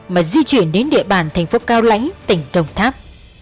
mà di chuyển đến địa bàn thành phố cao lãnh tỉnh đồng tháp